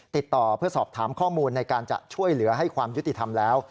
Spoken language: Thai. ติดต่อเพื่อสอบถามข้อมูลในการจะช่วยเหลือให้ความยุติธรรมแล้ว